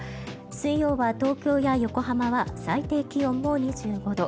水曜は東京や横浜は最低気温も２５度。